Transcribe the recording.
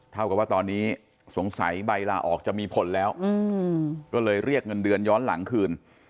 เท่ากับว่าตอนนี้สงสัยใบลาออกจะมีผลแล้วก็เลยเรียกเงินเดือนย้อนหลังคืน